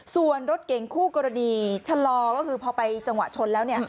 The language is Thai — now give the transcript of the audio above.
ส่วนรถเก่งคู่กรณีชะลอก็คือพอไปจังหวะชนแล้ว